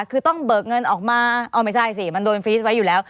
คือต้องเบิกเงินออกมาเอาไม่ใช่สิมันโดนฟรีสไว้อยู่แล้ว